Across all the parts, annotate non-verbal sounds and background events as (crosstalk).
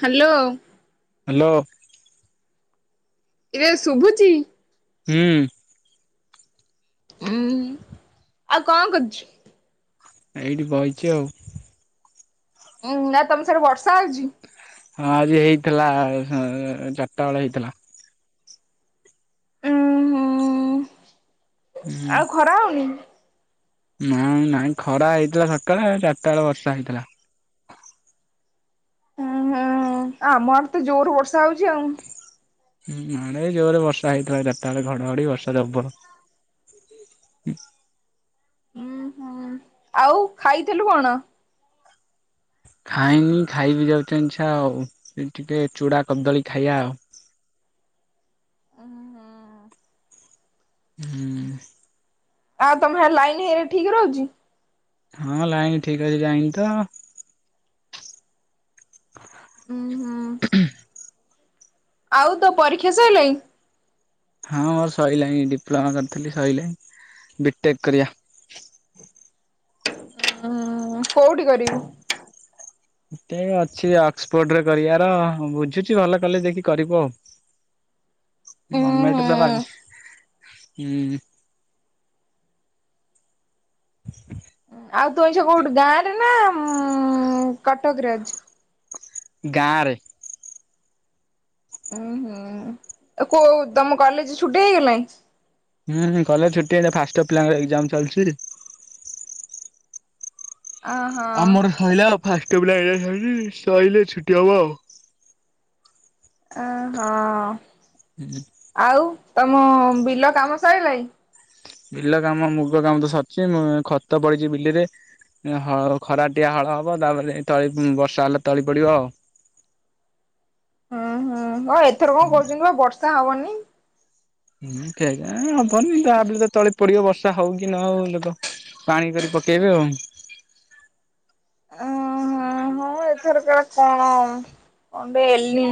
Hello hello ଇବେ ଶୁଭୁଛିି? ହୁଁ ଉୁଁ ଆଉ କଣ କରୁଛୁ? ଏଇଠି ବଇଛି ଆଉ। ହଁ ନା ତମ ସାଡ଼େ ବର୍ଷା ହଉଛି? ହଁ ଆଜି ହେଇଥିଲା ସ ଚାରିଟା ବେଳେ ହେଇଥିଲା। ଉଁ ହୁଁ ହୁଁ ଆଉ ଖରା ହଉନି? ନାଇଁ ନାଇ ଖରା ହେଇଥିଲା ସକାଳେ ଚାରିଟା ବେଳେ ବର୍ଷା ହେଇଥିଲା। ହ ଆମ ଆଡ ତ ଜୋର ବର୍ଷା ହଉଛି ଆଉ। ହୁଁ ଆଡ଼େ ଜୋରେ ବର୍ଷା ହେଇଥିଲା ଏଗାର ଟା ବେଳେ ଘଡଘଡି ବର୍ଷା ଯବର ହୁଁ ହୁଁ ଆଉ ଖାଇଥିଲୁ କଣ? ଖାଇନି ଖାଇବି ଯାଉଛି ଆଇଛା ଆଉ ଟିକେ ଚୂଡ଼ା କଦଳୀ ଖାଇବା ଆଉ। ଉମ୍ ହୁଁ ହୁଁ ଆଉ ତମ ଲାଇନ ହେଇନା ଠିକ ରହୁଛି? ହଁ ଲାଇନ ଠିକ ଅଛି ଯାଇନି ତ? ଉଁ ହୁଁ (inaudible) ଆଉ ତୋ ପରୀକ୍ଷା ସଇଲାଣି? ହଁ ମୋର ସରିଲାଣିି ଡିପ୍ଲୋମା କରିଥିଲି ସଇଲାଣି ବିଟେକ୍ କରିବା। ହୁଁ କୋଉଠି କରିବୁ? ଏ ଅଛି ଅକ୍ସଫୋର୍ଡ ରେ କରିବାର ବୁଝୁଛି ଭଲ କଲେ ଦେକି କରିବୁ ଉଁ ଆଉ। ହୁଁ ଗମେଣ୍ଟ ତ ହଁ (inaudible) ଆଉ ତୁମ ଆଇଛା କୋଉଠୁ ଗାଁ ରେ ନା ଉଁ କଟ କଟକରାଜ ଗାଁରେ ଉଁ ହୁଁ କୋଉ ତମ କଲେଜ ଛୁଟି ହେଇଗଲାଣି ହୁଁ ହୁଁ କଲେଜ ଛୁଟି ହେଲେ ଫାଷ୍ଟ ୟିଅର ପିଲାଙ୍କ ଏଗଜାମ ଚାଲିଛି। ଅହୋ ଆମର ଶଇଲା ଫାଷ୍ଟ (unintelligible) ସଇଲେ ଛୁଟି ହବ ଆଉ ଅ ହଁ ଆଉ ତମ ବିଲ କାମ ସରିଲାଣି ବିଲ କାମ ମୁଗ କାମ ତ ସରିଛି ଖତ ପଡିଛି ବିଲରେ, ଖରା ଟିଆ ହଳ ହବ, ତାପରେ ତଳି ବର୍ଷା ହେଲେ ତଳି ପଡିବ ଆଉ ହୁଁ ହୁଁ ହଁ ଏଥର କଣ କହୁଛନ୍ତି ପା ବର୍ଷା ହବନି କେଜାଣି ହବନି ତାପରେ ତ ତଳି ପଡିବ ବର୍ଷା ହଉ କି ନ ହଉ ତ ପାଣି କରି ପକେଇବେ ଆଉ ଉଁ--ହଁ ଏଥରକାର କଣ ଏଲି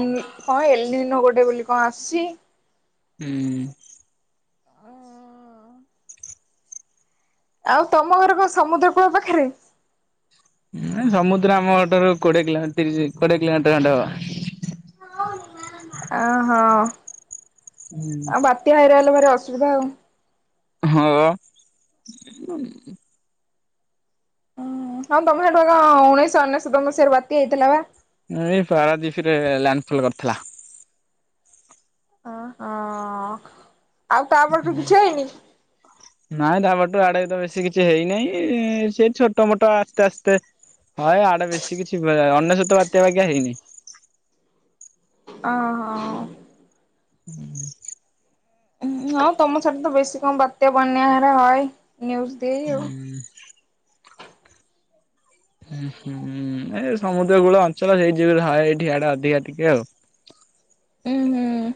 ହଁ ଏଲିନୋ ଗୋଟେ ବୋଲି କଣ ଆସୁଛି ହୁଁ ଆଉ ତମ ଘର କଣ ସମୁଦ୍ର କୂଳ ପାଖରେ? ସମୁଦ୍ର ଆମଘରଠାରୁ କୋଡିଏ କିଲ ତିରିଶି କୋଡିଏ କିଲୋମିଟର ଖଣ୍ଡେ ହବ। ଅ ହଁ ହୁଁ। ଆ ବତିଆ ଭାଇରାଲ ଟିକେ ଅସୁବିଧା ଆଉ ହଁ ପା ହୁଁ ହଉ ତମେ ସେଠୁ କଣ ଉଣେଇଶହ ଅନେଶତ ମସିହାରେ ବାତ୍ୟା ହେଇଥିଲା ପା। ଏଇ ପାରାଦୀପରେ ଲ୍ୟାଣ୍ଡଫଲ କରିଥିଲା। ହଁ ହଁ ଆଉ ତାପରଠୁ ହୁଁ କିଛି ହେଇନି ନାଇଁ ତାପରଠୁ ଆଡେ ତ ବେଶୀ କିଛି ହେଇନେଇ ସେ ଛୋଟ ମୋଟ ଆସ୍ତେ ଆସ୍ତେ ହ ଆଡେ ବେଶୀ କିଛି ହୁଏନି ଅନେଶତ ବାତ୍ୟା ବାକ୍ୟା ହେଇନି। ଅ ହଁ (inaudible) ହଁ ତମର ସେଠି ତ ବେଶୀ କଣ ବାତ୍ୟା ବନ୍ୟାଆରା ହଏ ନ୍ୟୁଜ୍ ଦେଇ ଆଉ ହୁଁ ହୁଁ ହୁଁ ମାନେ ସମୁଦ୍ର କୂଳ ଅଞ୍ଚଳରେ ଯୁଆଡ଼େ ହ ଏଇଠିଆ ଟା ଅଧିକା ଟିକେ ଆଉ ହୁଁ ହୁଁ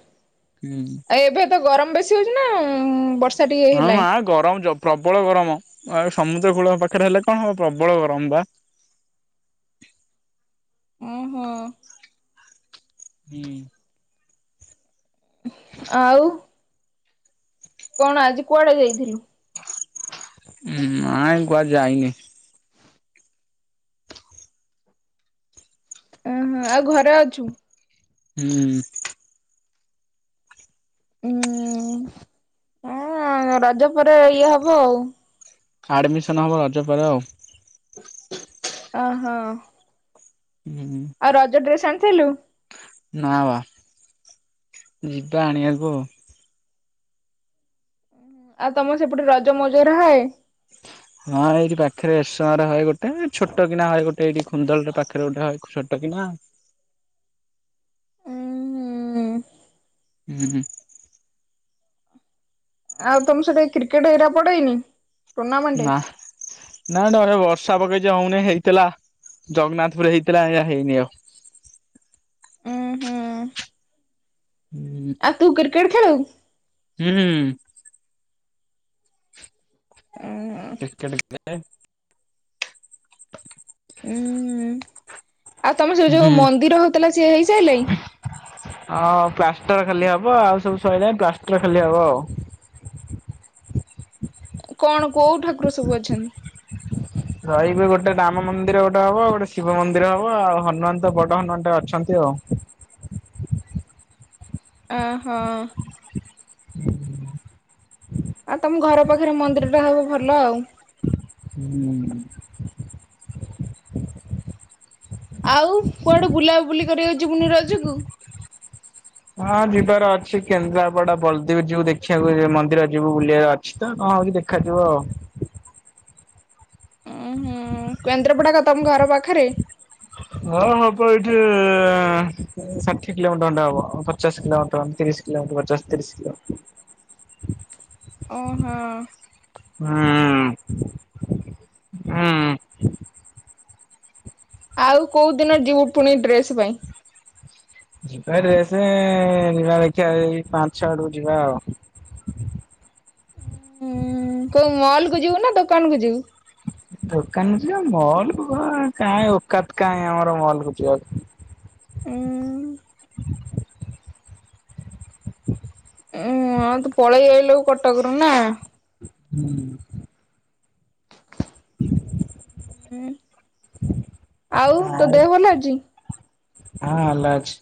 ହୁଁ ଏବେ ଏବେ ଗରମ ବେଶି ବେଶୀ ହଉଛିନା ବର୍ଷ ହଁ ମା ଗରମ ଜବ ପ୍ରବଳ ଗରମ ଆଉ ସମୁଦ୍ର କୂଳ ପାଖରେ ହେଲେ କଣ ହବ ପ୍ରବଳ ଗରମ ବା ଓହୋ ହୁଁ ଆଉ କଣ ଆଜି କୁଆଡେ ଯାଇଥିଲୁ? ନାଇଁ କୁଆଡେ଼ ଯାଇନି। ଅ ହୋ ଆଉ ଘରେ ଅଛୁ। ହୁଁ ହୁଁ ହଁ ରଜ ପରେ ଇଏ ହବ ଆଉ ଆଡମିସନ ହବ ରଜପରେ ଆଉ। ଅ ହୋ। ହୁଁ ଆଉ ରଜ ଡ୍ରେସ ଆଣି ଥିଲୁ। ନା ବା ଯିବା ଆଣିବାକୁ ଆଉ। ହଁ ଆଉ ତମର ସେପଟେ ରଜ ମଉଜ ର ହଏ। ହଁ ଏଇଠି ପାଖରେ ଏରସମାରେ ହଏ ଗୋଟେ ଛୋଟ କିନା ହଏ ଗୋଟେ ଏଇଠି ଖୁନ୍ଦଳ ପାଖରେ ଗୋଟେ ହ ଛୋଟ କିନା। ଉଁ ହୁଁ ହୁଁ। ଆଉ ତମ ସେ କ୍ରିକେଟ ହେଇରା ପଡେ ନି ନା ନା ଡରେ ବର ଷା ପକେଇ ଯେ ହଉନି ହେଇଥିଲା ଜଗନ୍ନାଥ ପୁର ହେଇଥିଲା ଏଇଆ ହେଇନି ଆଉ। ଉୁଁ ହୁଁ ଆଉ ତୁ କ୍ରିକେଟ ଖେଳୁ ହୁଁ ଓ ଏ ଉୁଁ (inaudible) ଆଉ ତମର ସେ ଯୋଉ ହୁଁ। ମନ୍ଦିର ହଉଥିଲା ସିଏ ହେଇସାଇିଲାଇଁ ହଁ ପ୍ଲାଷ୍ଟର ଖାଲି ହବ ଆଉ ସବୁ ସଇଁଲାଣି ପ୍ଲାଷ୍ଟର ଖାଲି ହବ ଆଉ। କଣ କୋଉ ଠାକୁର ସବୁ ଅଛନ୍ତି। ରହିବି ଗୋଟେ ରାମ ମନ୍ଦିର ଗୋଟେ ହବ ଆ ଗୋଟେ ଶିବ ମନ୍ଦିର ହବ ଆଉ ହନୁମାନ ତ ବଡ ହନୁମାନ ଟେ ଅଛନ୍ତି ଆଉ। ଓହୋ ଆଉ ତମ ଘର ପାଖରେ ମନ୍ଦିର ଟା ହବ ଭଲ ଆଉ। ହୁଁ। ଆଉ କୁଆଡେ ବୁଲାବୁଲି କରିବାକୁ ଯିବୁନି ରଜକୁ ହଁ ଯିବାର ଅଛି କେନ୍ଦ୍ରାପଡା ବଲଦୀବ ଯିଉ ଦେଖିବାକୁ ଯିବୁ ମନ୍ଦିର ଯିବୁ ବୁଲିବାର ଅଛି ତ କଣ ହଉଛି ଦେଖାଯିବ ଆଉ। ହଁ କେନ୍ଦ୍ରପଡା କଥା ତମ ଘର ପାଖରେ ହଁ ହବ ଏଇଠି ଷାଠିଏ କିଲୋମିଟର ଖଣ୍ଡେ ହବ ପଚାଶ କିଲୋମିଟର ତିରିଶ କିଲୋମିଟର ପଚାଶ ତିରିଶ କିଲୋମି ଓହୋ ହୁଁ ହୁଁ ଆଉ କୋଉ ଦିନ ଯିବୁ ପୁଣି ଡ୍ରେସ ପାଇଁ ଯିବା ଡ୍ରେସେ ଯିବା ଦେଖିବା ଏଇ ପାଞ୍ଚ ଛ ଆଡକୁ ଯିବା ଆଉ ହ କୋଉ ମଲ କୁ ଯିବୁ ନା ଦୋକାନ କୁ ଯିବୁ ଦୋକାନ ଯିବା ମଲ କୁ କାଇଁ ଓକାତ କାହିଁ ଆମର ମଲକୁ ଯିବାକୁ ଉଁ (inaudible) ହଁଉ ତୁ ପଳେଇ ଆଇଲୁ କଟକ ରୁ ନା ହୁଁ (inaudible) ଆଉ ତୋ ଦେହ ଭଲ ଅଛି। ହଁ ଭଲ ଅଛି।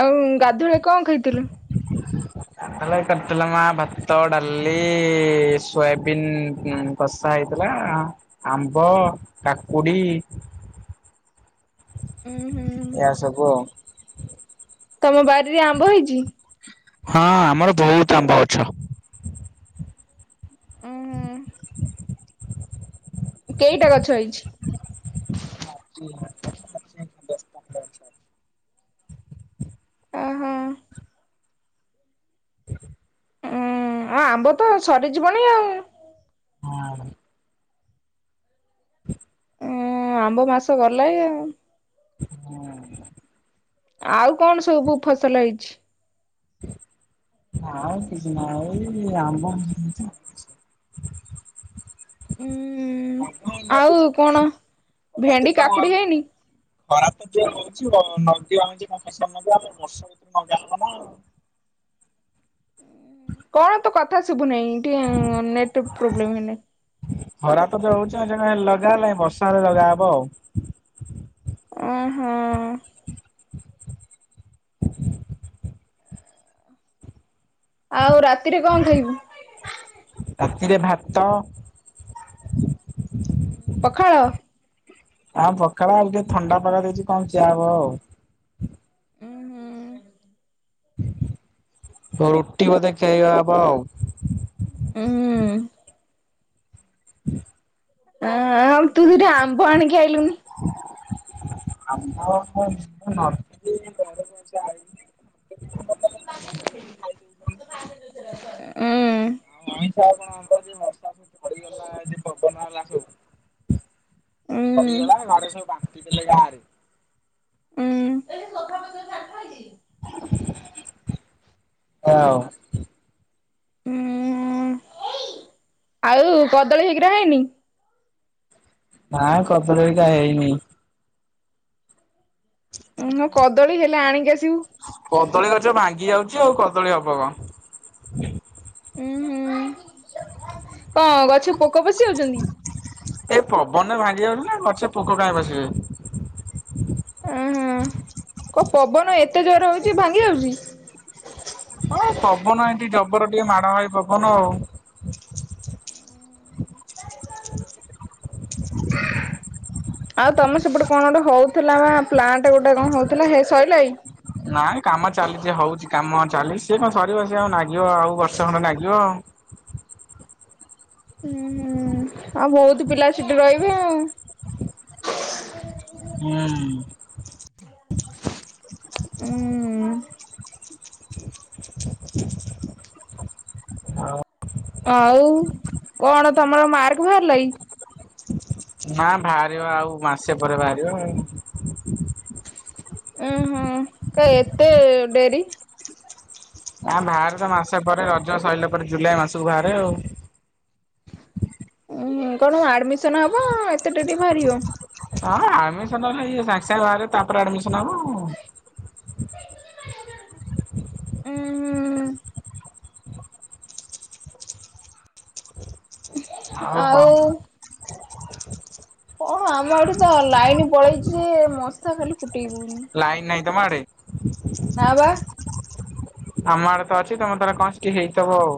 ଆଉ ଗାଧୁଆ କଣ ଖାଇଥିଲୁ। କରିଥିଲା ମା ଭାତ ଡାଲି ସୋୟାବିିନ କଷା ହେଇଥିଲା ଆମ୍ବ କାକୁଡି ଉଁ ହୁଁ ଏ ସବୁ ଆଉ। ତମ ବାାରିରେ ଆମ୍ବ ହେଇଛି। ହଁ ଆମର ବହୁତ ଆମ୍ବ ଗଛ। ଉଁ ହୁଁ କେଇଟା ଗଛ ହଁ ହେଇଛି। ଓହୋ ଉୁଁ ଆଉ ଆମ୍ବ ତ ସରିଯିବନ ଆଉ। ହଁ (inaudible) ହଁ ଆମ୍ବ ମାସ ଗଲେ ହଁ ଆଉ କଣ ସବୁ ଫସଲ ହେଇଛି। ଆ କିଛି ନା ଏଇ ଆମ୍ବ ହେଇଚି। ଉଁ। ହୁଁ ଆଉ କଣ ହଉଛି ଭେଣ୍ଡି କାକୁଡି ହେଇନି? (unintelligible) କଣ ତୁ କଥା ବୁନେଇ ଟିଏ ନେଟ୍ ପ୍ରୋବ୍ଲେମ୍ ହେନେ। ହରା ତ ଯୋ ହଉଚି ଆଉ ଯେବେ ଲଗା ହେଲାଣି ବର୍ଷାରେ ଲଗାହବ ଆଉ। ଉଁ ହୁଁ। ହ ଆଉ ରାତିରେ କଁ ଖାଇବୁ? ତିରେ ଭାତ ପଖାଳ ଆଁ ପଖାଳ ଆଉ ଟେ ଥଣ୍ଡା ପାଗ ଦେଇଚି କଣ ଚା ହବ ଆଉ। ଉଁ ରୁଟି ବୋଧେ ଖାଇବା ହବ ଆଉ। ଉଁ। ହୁଁ (unintelligible) ଆମ୍ବ ଆଣିକି ଆଇଲୁନି? (inaudible) ଗୁଣ୍ଡୁଚି ଖାଇ ଦଉଛନ୍ତି। (inaudible) ଉଁ (inaudible) ହୁଁ। ଆଉ। ହୁଁ। ଆଉ କଦଳୀ ହିଗ୍ର ହେଇନି? ନାଁ କଦଳି ହଇକା ହେଇନି। ଉଁ କଦଳୀ ହେଲେ ଆଣିକି ଆ କଦଳୀ ଗଛ ଭାଙ୍ଗି ଯାଉ ଚି ଆଉ କଦଳୀ ହବ କଁ। ଉୁଁ ହୁଁ କଁ ଗଛ ପୋକ ପଶି ଯାଉଚନ୍ତି। ଏ ପବନରେ ଭାଙ୍ଗି ଯାଉଚି ନା ଗଛ ପୋକ ଖାାଇ ବସିବେ କ ପବନ ଏତେ ଜୋରେ ହୋଉଚି ଭାଙ୍ଗି ଯାଉଚି? ହଁ ପବନ ଏଠି ଜବର ଟିଏ ମାଡ ହଏ ପବନ ଆଉ। ଆଉ ତମେ ସେପଟେ କଣ ଗୋଟେ ହଉଥୁଲା ବା ପ୍ଲାଣ୍ଟ ଗୋଟେ କଁ ହଉଥୁଲା ହେ ସଇଲା ଇ? ନାଇଁ କାମ ଚାଲିଚି ହୋଉଚି। କାମ ଚାଲି ସିଏ କଁ ସରିବ ସିଏ ଆଉ ନାଗିବ ଆଉ ବର୍ଷେ ଖଣ୍ଡେ ନାଗିବ ଆଉ। ଉଁ ହୁଁ ଆଉ ବହୁତୁ ପିଲା ସେଠି ରହିବେ ଆଉ। ହୁଁ। ଉଁ। ଆଉ କଣ ତମର ମାର୍କ୍ ଭାର୍ ପାଇଁ। ନା ବାହାରିବ ଆଉ ମାସେ ପରେ ବାହାରିବ ଆ ଉଁ ହୁଁ କ ଏତେ ଡେରି ଆ ବାହାରେ ତ ମାସ ପରେ ରଜ ସରିଲା ପରେ ଜୁଲାଇ ମାସକୁ ବାହାରେ ଆଉ। ଉ କଣ ଆଡମିସନ ହବ ଏତେ ଟ ମହାରିବ ହଁ ଆଡମିନଲେ ସାଙ୍ଗେ ସାଙ୍ଗେ ବାହ ତାପରେ ଆଡମିସ ହବ। ଉଁ ଆଉ। କଣ ଆମ ଏଠି ତ ଲାଇନ ପଳେଇଛି ଯେ ମସ୍ତା ଖାଲି ଟଟିୱନ ମା ନବା ଆମ ଆଡ ତ ଅଛି ତମେ ତର କଞ୍ଚିକ ହେଇଥବ ଆଉ।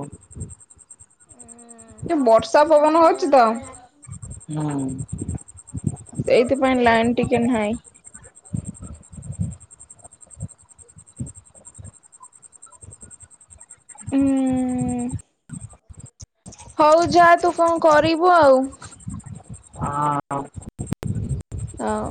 ଉ ଟ ବର୍ଷା ପବନ ହଉଛି ତ ହୁଁ ସେଇଥିପାଇଁ ଲାଇନ ଟିକେ ନାହିଁ। ହୁଁ ହଉ ଯା ତୁ କଣ କରିବୁ ଆଉ। ହଁ ଆଉ